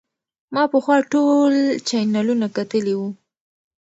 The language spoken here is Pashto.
ما پخوا ټول چینلونه کتلي وو.